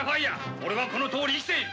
俺はこのとおり生きている！